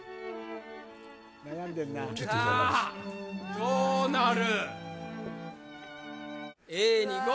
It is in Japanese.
どうなる？